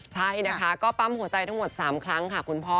ใช่นะคะก็ปั๊มหัวใจทั้งหมด๓ครั้งค่ะคุณพ่อ